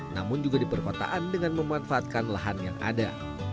namun juga di perkotaan dengan memanfaatkan lahan yang ada